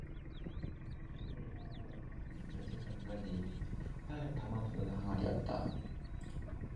첫눈에 띈 것은 며칠 전까지 쌀 담아 두던 항아리였다.